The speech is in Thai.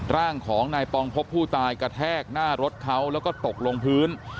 ร่างของนายปองพบผู้ตายกระแทกหน้ารถเขาแล้วก็ตกลงพื้น